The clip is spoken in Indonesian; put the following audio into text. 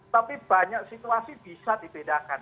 tapi banyak situasi bisa dibedakan